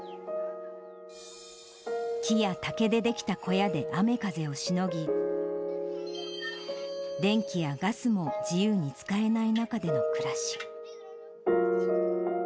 木や竹で出来た小屋で雨風をしのぎ、電気やガスも自由に使えない中での暮らし。